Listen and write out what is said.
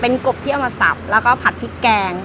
กบที่เอามาสับแล้วก็ผัดพริกแกง